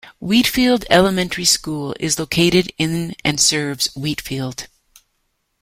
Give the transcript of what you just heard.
Wheatfield Elementary School is located in and serves Wheatfield.